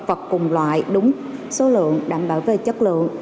vật cùng loại đúng số lượng đảm bảo về chất lượng